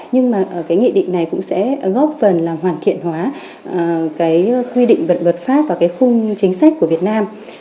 nhưng mà cái nghị định này cũng sẽ góp phần là hoàn thiện hóa cái quy định vật luật pháp và cái khung chính sách của việt nam